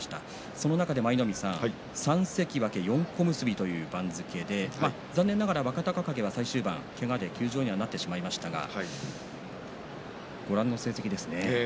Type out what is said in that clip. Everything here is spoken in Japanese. その中で３関脇４小結という番付で残念ながら若隆景は最終盤けがで休場となってしまいましたがご覧の成績ですね。